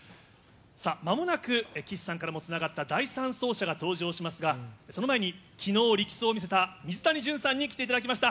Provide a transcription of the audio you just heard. まもなく、岸さんからもつながった第３走者が登場しますが、その前にきのう、力走を見せた水谷隼さんに来ていただきました。